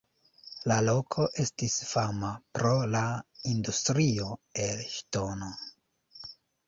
La loko estis fama pro la industrio el ŝtono.